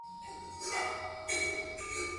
ددې ترڅنگ ددې ولايت ځينو نور مهم سړكونه لكه: